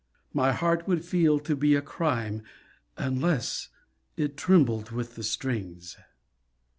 My heart would feel to be a crime Unless it trembled with the strings.